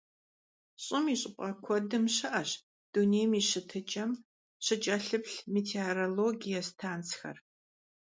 ЩӀым и щӀыпӀэ куэдым щыӀэщ дунейм и щытыкӀэм щыкӀэлъыплъ метеорологие станцхэр.